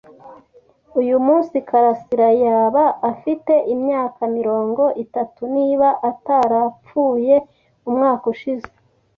Uyu munsi, karasira yaba afite imyaka mirongo itatu niba atarapfuye umwaka ushize.